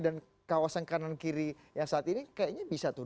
dan kawasan kanan kiri yang saat ini kayaknya bisa tuh